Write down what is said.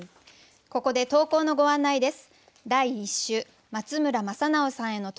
ここで投稿のご案内です。